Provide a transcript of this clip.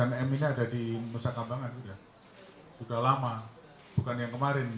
nanti kalau untuk surabaya silahkan akses langsung ke menteri